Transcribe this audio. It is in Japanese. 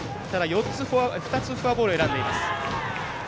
２つフォアボールを選んでいます。